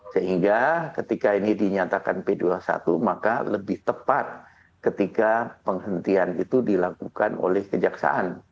sehingga ketika ini dinyatakan p dua puluh satu maka lebih tepat ketika penghentian itu dilakukan oleh kejaksaan